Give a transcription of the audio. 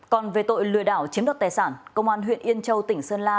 còn về tội lừa đảo chiếm đoạt tài sản công an huyện yên châu tỉnh sơn la